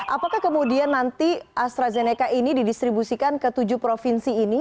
apakah kemudian nanti astrazeneca ini didistribusikan ke tujuh provinsi ini